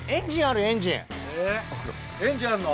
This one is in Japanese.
エンジンあんの？